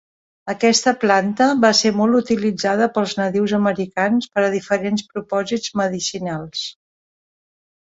Aquesta planta va ser molt utilitzada pels nadius americans per a diferents propòsits medicinals.